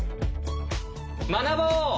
学ぼう！